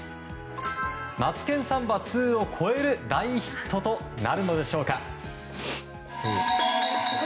「マツケンサンバ２」を超える大ヒットとなるのでしょうか。